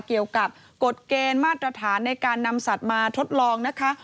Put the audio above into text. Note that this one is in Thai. เกี่ยวกับกฎเกณฑ์มาตรฐานในการนำสัตว์มาทดลองนะคะ